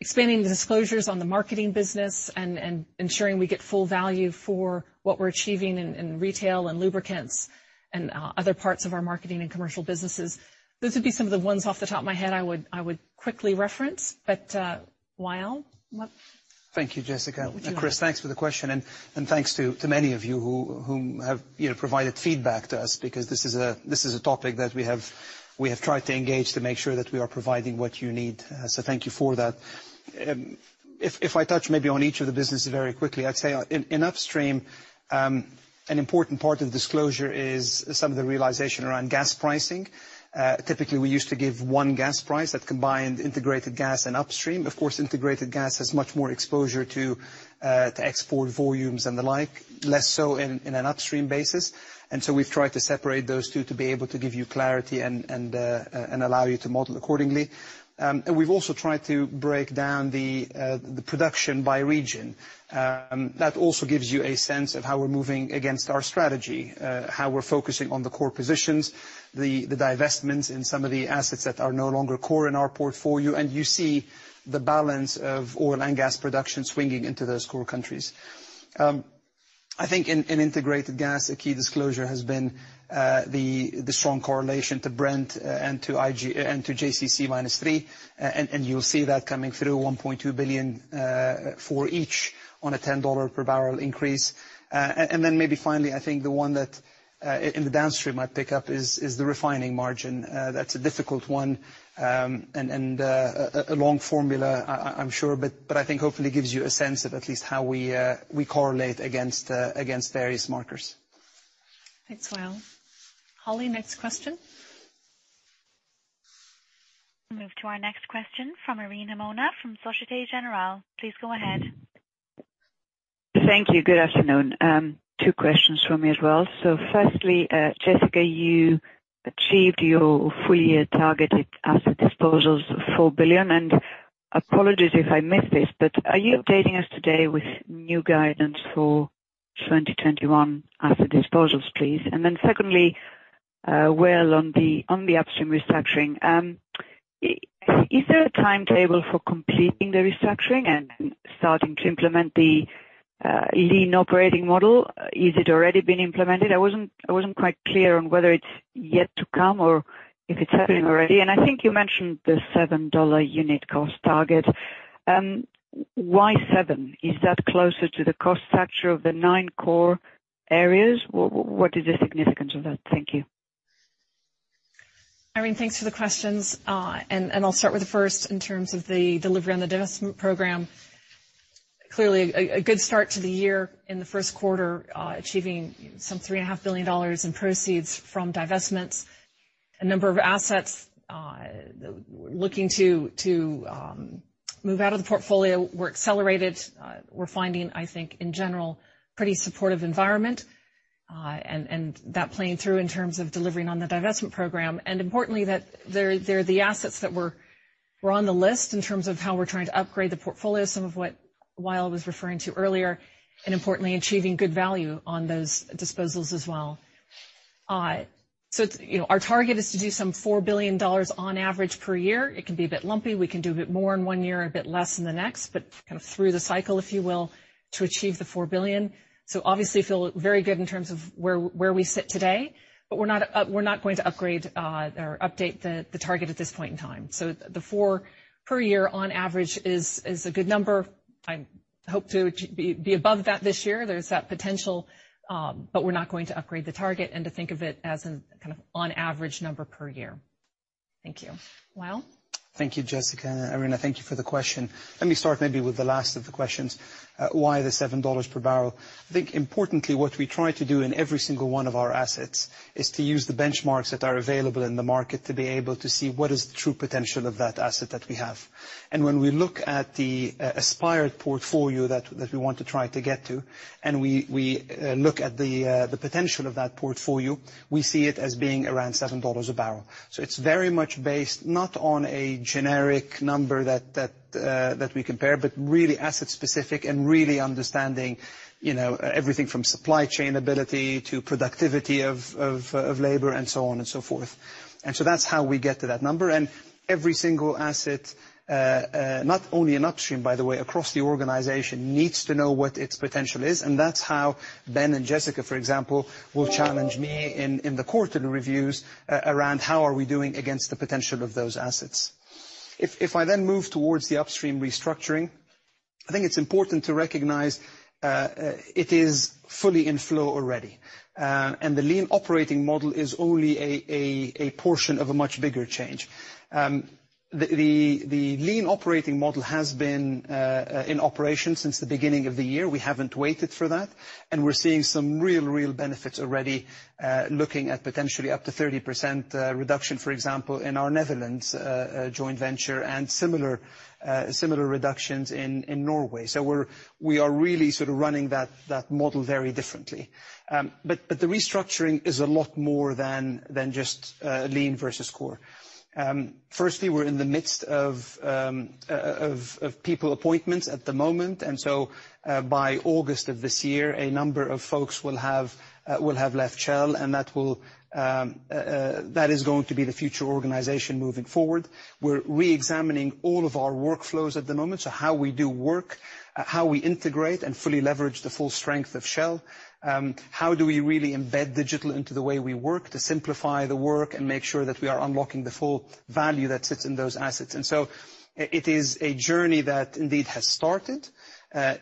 Expanding the disclosures on the marketing business and ensuring we get full value for what we're achieving in retail and lubricants and other parts of our marketing and commercial businesses. Those would be some of the ones off the top of my head I would quickly reference. Wael? Thank you, Jessica. What would you add? Chris, thanks for the question. Thanks to the many of you whom have provided feedback to us because this is a topic that we have tried to engage to make sure that we are providing what you need. Thank you for that. If I touch maybe on each of the businesses very quickly, I'd say in Upstream, an important part of disclosure is some of the realization around gas pricing. Typically, we used to give one gas price that combined Integrated Gas and Upstream. Of course, Integrated Gas has much more exposure to export volumes and the like, less so in an Upstream basis. We've tried to separate those two to be able to give you clarity and allow you to model accordingly. We've also tried to break down the production by region. That also gives you a sense of how we're moving against our strategy, how we're focusing on the core positions, the divestments in some of the assets that are no longer core in our portfolio, and you see the balance of oil and gas production swinging into those core countries. I think in integrated gas, a key disclosure has been the strong correlation to Brent and to JCC minus 3, and you'll see that coming through $1.2 billion for each on a $10 per barrel increase. Maybe finally, I think the one that in the downstream I'd pick up is the refining margin. That's a difficult one and a long formula, I'm sure, but I think hopefully gives you a sense of at least how we correlate against various markers. Thanks, Wael. Holly, next question. Move to our next question from Irene Himona from Societe Generale. Please go ahead. Thank you. Good afternoon. Two questions from me as well. Firstly, Jessica, you achieved your full year targeted asset disposals of $4 billion, and apologies if I missed this, but are you updating us today with new guidance for 2021 asset disposals, please? Secondly, Wael, on the upstream restructuring, is there a timetable for completing the restructuring and starting to implement the lean operating model? Is it already been implemented? I wasn't quite clear on whether it's yet to come or if it's happening already. I think you mentioned the $7 unit cost target. Why seven? Is that closer to the cost structure of the 9 core areas? What is the significance of that? Thank you. Irene, thanks for the questions. I'll start with the first in terms of the delivery on the divestment program. Clearly a good start to the year in the first quarter, achieving some $3.5 billion in proceeds from divestments. A number of assets looking to move out of the portfolio were accelerated. We're finding, I think in general, pretty supportive environment, and that playing through in terms of delivering on the divestment program, and importantly that they're the assets that were on the list in terms of how we're trying to upgrade the portfolio, some of what Wael was referring to earlier, and importantly, achieving good value on those disposals as well. Our target is to do some $4 billion on average per year. It can be a bit lumpy. We can do a bit more in one year, a bit less in the next, kind of through the cycle, if you will, to achieve the $4 billion. Obviously feel very good in terms of where we sit today. We're not going to upgrade or update the target at this point in time. The $4 billion per year on average is a good number. I hope to be above that this year. There's that potential, we're not going to upgrade the target and to think of it as an on average number per year. Thank you. Wael? Thank you, Jessica. Irene, thank you for the question. Let me start maybe with the last of the questions, why the $7 per barrel. I think importantly, what we try to do in every single one of our assets is to use the benchmarks that are available in the market to be able to see what is the true potential of that asset that we have. When we look at the aspired portfolio that we want to try to get to, and we look at the potential of that portfolio, we see it as being around $7 a barrel. It's very much based not on a generic number that we compare, but really asset specific and really understanding everything from supply chain ability to productivity of labor, and so on and so forth. That's how we get to that number. Every single asset, not only in upstream, by the way, across the organization, needs to know what its potential is. That's how Ben and Jessica, for example, will challenge me in the quarterly reviews around how are we doing against the potential of those assets. If I then move towards the upstream restructuring, I think it's important to recognize it is fully in flow already. The lean operating model is only a portion of a much bigger change. The lean operating model has been in operation since the beginning of the year. We haven't waited for that, and we're seeing some real benefits already, looking at potentially up to 30% reduction, for example, in our Netherlands joint venture and similar reductions in Norway. We are really sort of running that model very differently. The restructuring is a lot more than just lean versus core. Firstly, we're in the midst of people appointments at the moment. By August of this year, a number of folks will have left Shell, and that is going to be the future organization moving forward. We're re-examining all of our workflows at the moment, how we do work, how we integrate and fully leverage the full strength of Shell, and how we really embed digital into the way we work to simplify the work and make sure that we are unlocking the full value that sits in those assets. It is a journey that indeed has started.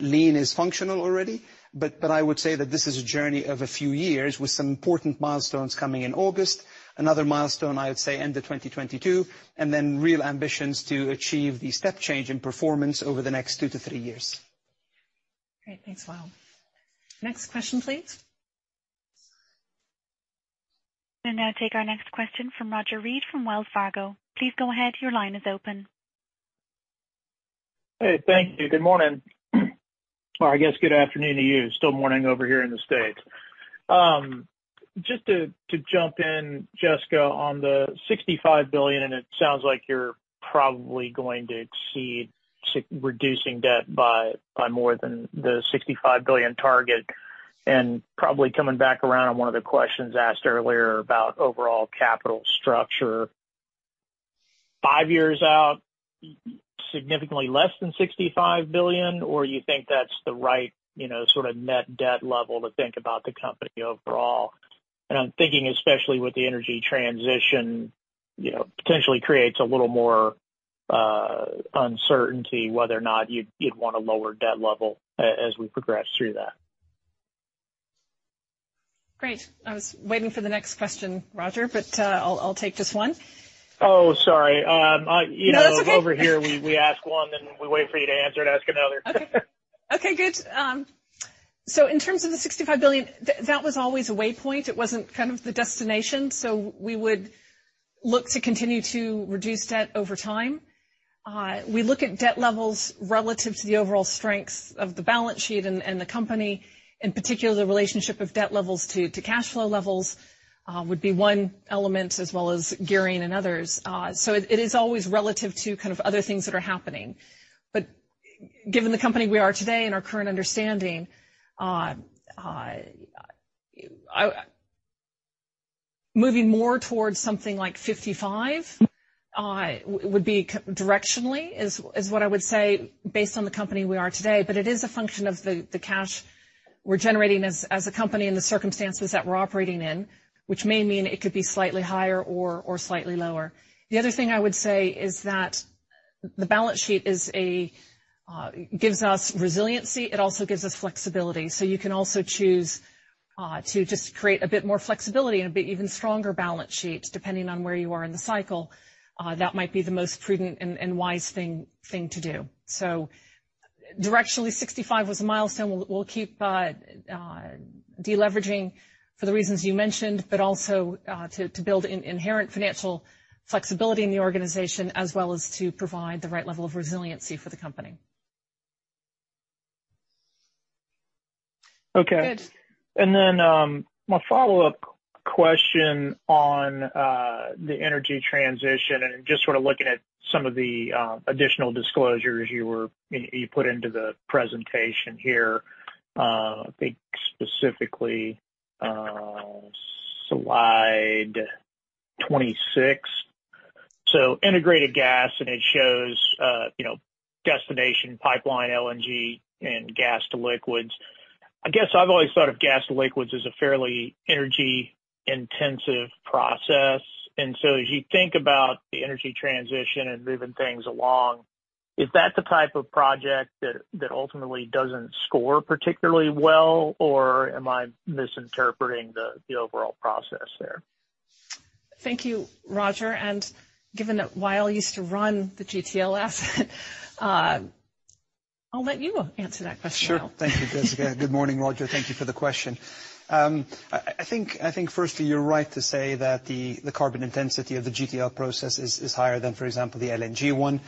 Lean is functional already, but I would say that this is a journey of a few years with some important milestones coming in August. Another milestone I would say end of 2022, and then real ambitions to achieve the step change in performance over the next two-three years. Great. Thanks, Wael. Next question, please. We'll now take our next question from Roger Read from Wells Fargo. Please go ahead. Your line is open. Hey, thank you. Good morning. I guess good afternoon to you. Still morning over here in the U.S. Just to jump in, Jessica, on the $65 billion. It sounds like you're probably going to exceed reducing debt by more than the $65 billion target, and probably coming back around on one of the questions asked earlier about overall capital structure five years out, significantly less than $65 billion, or you think that's the right sort of net debt level to think about the company overall? I'm thinking, especially with the energy transition, potentially creates a little more uncertainty whether or not you'd want a lower debt level as we progress through that. Great. I was waiting for the next question, Roger, but I'll take this one. Oh, sorry. No, that's okay. Over here, we ask one, then we wait for you to answer and ask another. Okay, good. In terms of the $65 billion, that was always a way point. It wasn't kind of the destination. We would look to continue to reduce debt over time. We look at debt levels relative to the overall strengths of the balance sheet and the company, in particular, the relationship of debt levels to cash flow levels, would be one element as well as gearing and others. It is always relative to kind of other things that are happening. Given the company we are today and our current understanding, moving more towards something like $55 billion would be directionally, is what I would say based on the company we are today. It is a function of the cash we're generating as a company and the circumstances that we're operating in, which may mean it could be slightly higher or slightly lower. The other thing I would say is that the balance sheet gives us resiliency. It also gives us flexibility. You can also choose to just create a bit more flexibility and a bit even stronger balance sheet, depending on where you are in the cycle. That might be the most prudent and wise thing to do. Directionally, $65 billion was a milestone. We'll keep de-leveraging for the reasons you mentioned, but also to build inherent financial flexibility in the organization as well as to provide the right level of resiliency for the company. Okay. Good. My follow-up question on the energy transition and just sort of looking at some of the additional disclosures you put into the presentation here, I think specifically, slide 26. Integrated Gas and it shows destination pipeline, LNG and gas to liquids. I guess I've always thought of gas to liquids as a fairly energy-intensive process. As you think about the energy transition and moving things along, is that the type of project that ultimately doesn't score particularly well, or am I misinterpreting the overall process there? Thank you, Roger. Given that Wael used to run the GTL, I'll let you answer that question. Sure. Thank you, Jessica. Good morning, Roger. Thank you for the question. I think firstly, you're right to say that the carbon intensity of the GTL process is higher than, for example, the LNG one.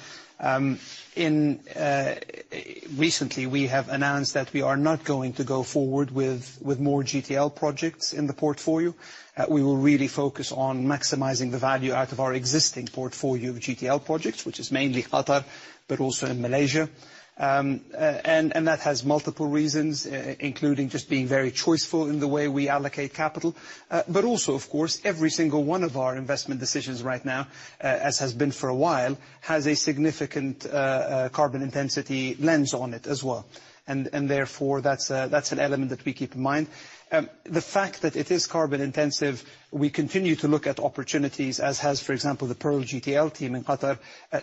Recently, we have announced that we are not going to go forward with more GTL projects in the portfolio. We will really focus on maximizing the value out of our existing portfolio of GTL projects, which is mainly Qatar, but also in Malaysia. That has multiple reasons, including just being very choiceful in the way we allocate capital. Also, of course, every single one of our investment decisions right now, as has been for a while, has a significant carbon intensity lens on it as well. Therefore, that's an element that we keep in mind. The fact that it is carbon intensive, we continue to look at opportunities as has, for example, the Pearl GTL team in Qatar,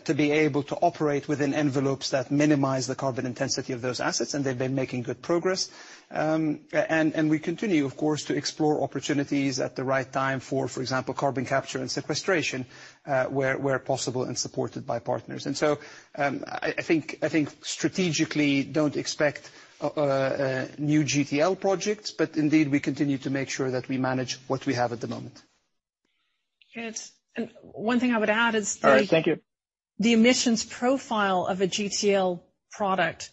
to be able to operate within envelopes that minimize the carbon intensity of those assets, and they've been making good progress. We continue, of course, to explore opportunities at the right time for example, carbon capture and sequestration, where possible and supported by partners. I think strategically don't expect new GTL projects, but indeed, we continue to make sure that we manage what we have at the moment. Good. One thing I would add. All right. Thank you. The emissions profile of a GTL product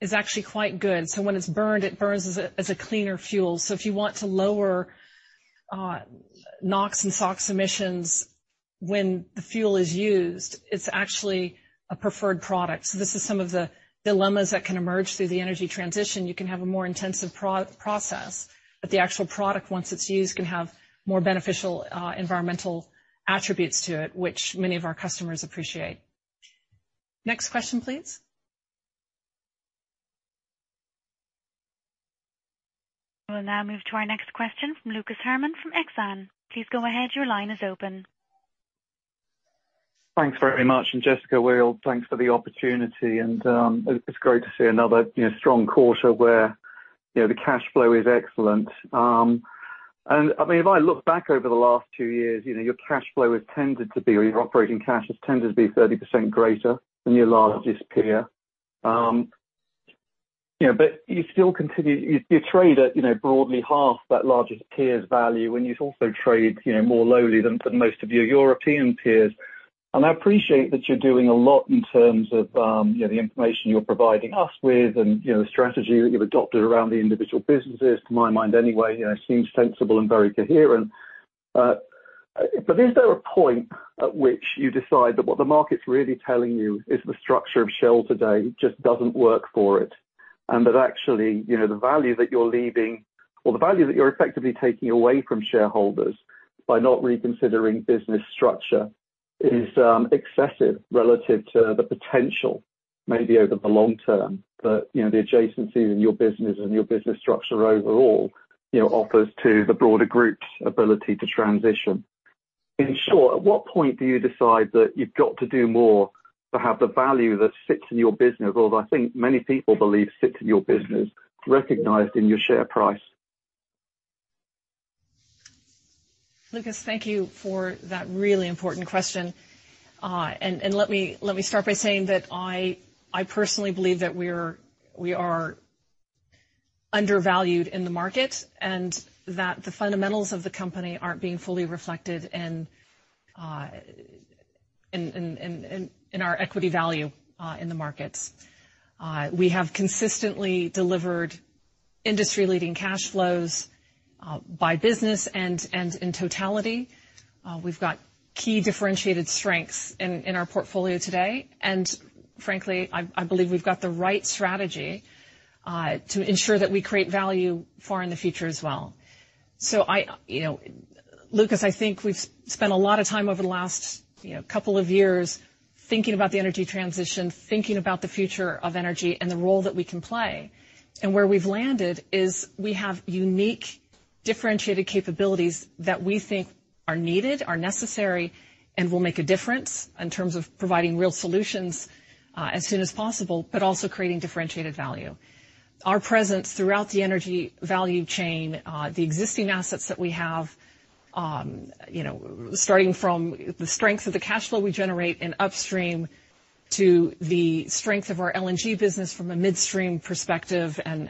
is actually quite good. When it's burned, it burns as a cleaner fuel. If you want to lower NOx and SOx emissions when the fuel is used, it's actually a preferred product. This is some of the dilemmas that can emerge through the energy transition. You can have a more intensive process, but the actual product, once it's used, can have more beneficial environmental attributes to it, which many of our customers appreciate. Next question, please. We'll now move to our next question from Lucas Herrmann from Exane. Please go ahead. Your line is open. Thanks very much. Jessica, Wael, thanks for the opportunity. It's great to see another strong quarter where the cash flow is excellent. If I look back over the last two years, your cash flow has tended to be, or your operating cash has tended to be 30% greater than your largest peer. You trade at broadly half that largest peer's value, and you also trade more lowly than most of your European peers. I appreciate that you're doing a lot in terms of the information you're providing us with and the strategy that you've adopted around the individual businesses, to my mind anyway. It seems sensible and very coherent. Is there a point at which you decide that what the market's really telling you is the structure of Shell today just doesn't work for it, and that actually, the value that you're leaving or the value that you're effectively taking away from shareholders by not reconsidering business structure is excessive relative to the potential, maybe over the long term? The adjacencies in your business and your business structure overall, offer to the broader group's ability to transition. In short, at what point do you decide that you've got to do more to have the value that sits in your business, or that I think many people believe sits in your business, recognized in your share price? Lucas, thank you for that really important question. Let me start by saying that I personally believe that we are undervalued in the market, and that the fundamentals of the company aren't being fully reflected in our equity value, in the markets. We have consistently delivered industry-leading cash flows, by business and in totality. We've got key differentiated strengths in our portfolio today, and frankly, I believe we've got the right strategy to ensure that we create value far in the future as well. Lucas, I think we've spent a lot of time over the last couple of years thinking about the energy transition, thinking about the future of energy and the role that we can play. Where we've landed is we have unique, differentiated capabilities that we think are needed, are necessary, and will make a difference in terms of providing real solutions, as soon as possible, but also creating differentiated value. Our presence throughout the energy value chain, the existing assets that we have, starting from the strength of the cash flow we generate in upstream to the strength of our LNG business from a midstream perspective and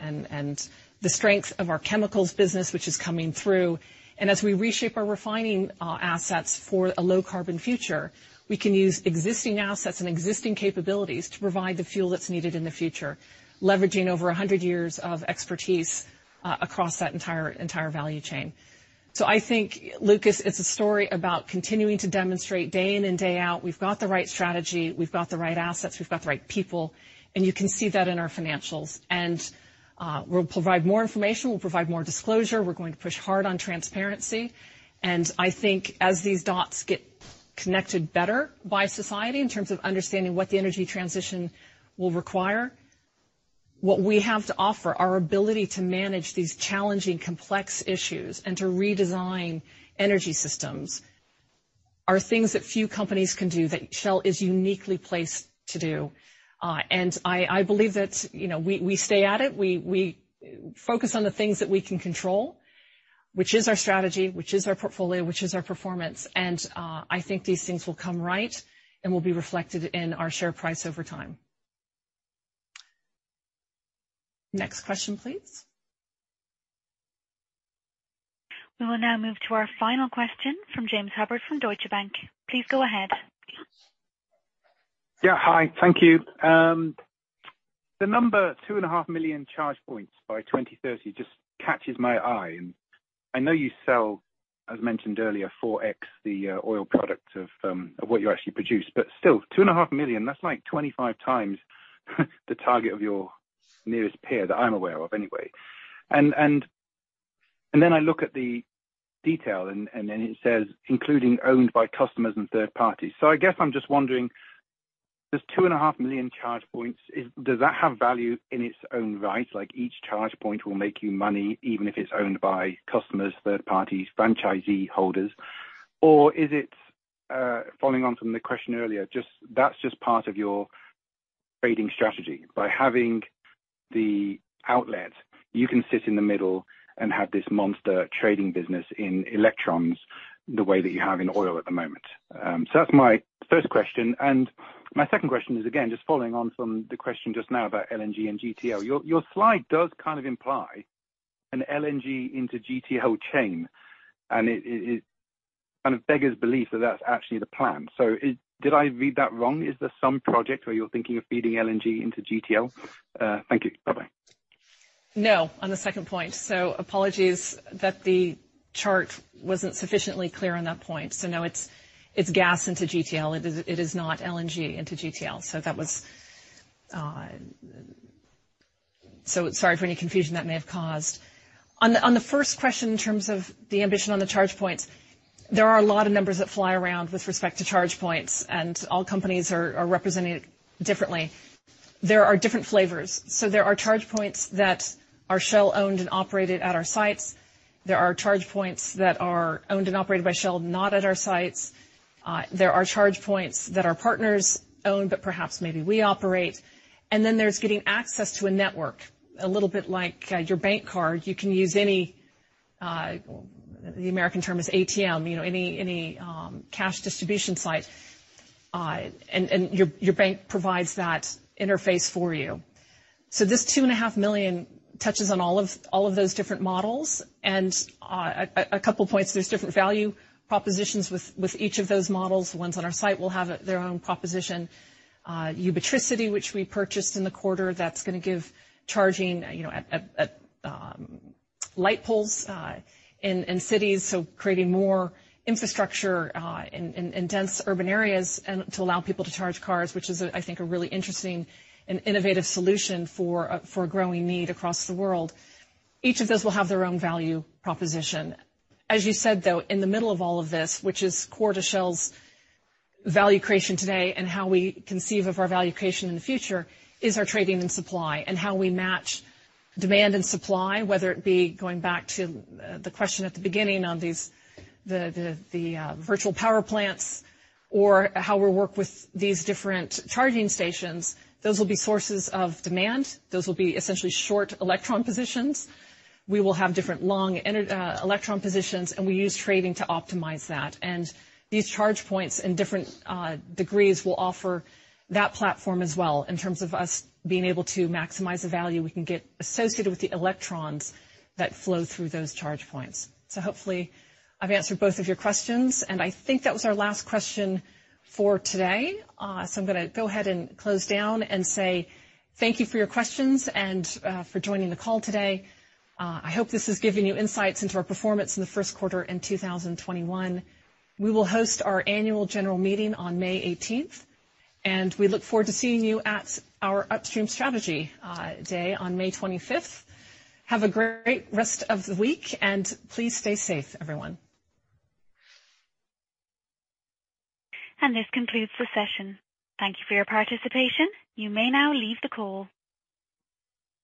the strength of our chemicals business, which is coming through. As we reshape our refining assets for a low-carbon future, we can use existing assets and existing capabilities to provide the fuel that's needed in the future, leveraging over 100 years of expertise across that entire value chain. I think, Lucas, it's a story about continuing to demonstrate day in and day out, we've got the right strategy, we've got the right assets, we've got the right people, and you can see that in our financials. We'll provide more information, we'll provide more disclosure. We're going to push hard on transparency, and I think as these dots get connected better by society in terms of understanding what the energy transition will require, what we have to offer, our ability to manage these challenging complex issues and to redesign energy systems, are things that few companies can do that Shell is uniquely placed to do. I believe that we stay at it. We focus on the things that we can control, which is our strategy, which is our portfolio, which is our performance. I think these things will come right and will be reflected in our share price over time. Next question please. We will now move to our final question from James Hubbard from Deutsche Bank. Please go ahead. Yeah. Hi. Thank you. The number 2.5 million charge points by 2030 just catches my eye. I know you sell, as mentioned earlier, 4x the oil product of what you actually produce, but still, 2.5 million, that's like 25 times the target of your nearest peer that I'm aware of anyway. I look at the detail and then it says, including owned by customers and third parties. I guess I'm just wondering, does two and a half million charge points, does that have value in its own right? Like each charge point will make you money even if it's owned by customers, third parties, franchisee holders? Is it, following on from the question earlier, that's just part of your growth strategy. By having the outlet, you can sit in the middle and have this monster trading business in electrons the way that you have in oil at the moment. That's my first question. My second question is, again, just following on from the question just now about LNG and GTL. Your slide does kind of imply an LNG into GTL chain, and it kind of beggars belief that that's actually the plan. Did I read that wrong? Is there some project where you're thinking of feeding LNG into GTL? Thank you. Bye-bye. No. On the second point, apologies that the chart wasn't sufficiently clear on that point. No, it's gas into GTL. It is not LNG into GTL. Sorry for any confusion that may have caused. On the first question in terms of the ambition on the charge points, there are a lot of numbers that fly around with respect to charge points, and all companies are represented differently. There are different flavors. There are charge points that are Shell owned and operated at our sites. There are charge points that are owned and operated by Shell, not at our sites. There are charge points that our partners own, but perhaps maybe we operate. There's getting access to a network, a little bit like your bank card. You can use any, the American term is ATM, any cash distribution site. Your bank provides that interface for you. This 2.5 million touches on all of those different models. A couple of points, there's different value propositions with each of those models. The ones on our site will have their own proposition. Ubitricity, which we purchased in the quarter, that's going to give charging at light poles in cities, creating more infrastructure in dense urban areas and to allow people to charge cars, which is, I think, a really interesting and innovative solution for a growing need across the world. Each of those will have their own value proposition. As you said, though, in the middle of all of this, which is core to Shell's value creation today and how we conceive of our value creation in the future, is our trading and supply and how we match demand and supply, whether it be going back to the question at the beginning on the virtual power plants or how we work with these different charging stations. Those will be sources of demand. Those will be essentially short electron positions. We will have different long electron positions, and we use trading to optimize that. These charge points in different degrees will offer that platform as well in terms of us being able to maximize the value we can get associated with the electrons that flow through those charge points. Hopefully I've answered both of your questions, and I think that was our last question for today. I'm going to go ahead and close down and say thank you for your questions and for joining the call today. I hope this has given you insights into our performance in the first quarter in 2021. We will host our annual general meeting on May 18th, and we look forward to seeing you at our Upstream Strategy Day on May 25th. Have a great rest of the week, and please stay safe, everyone. This concludes the session. Thank you for your participation. You may now leave the call.